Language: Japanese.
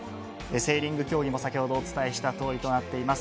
セーリング競技も先ほど、お伝えしたとおりとなっています。